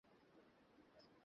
এতে আপনার কি মত?